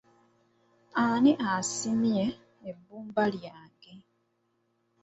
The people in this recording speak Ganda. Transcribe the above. Ani asimye ebbumba lyange?